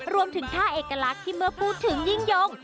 รวมถึงท่าเอกลักษณ์ที่เมื่อพูดถึงยิ่งยง